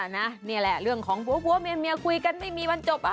นี่แหละเรื่องของผัวเมียคุยกันไม่มีวันจบ